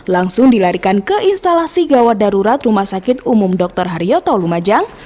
langsung dilarikan ke instalasi gawat darurat rumah sakit umum dr haryoto lumajang